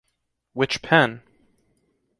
Which pen?